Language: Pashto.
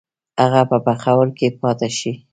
هغه په پېښور کې پاته شي.